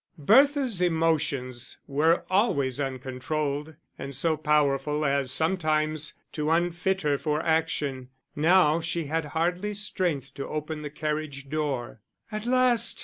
Bertha's emotions were always uncontrolled, and so powerful as sometimes to unfit her for action: now she had hardly strength to open the carriage door. "At last!"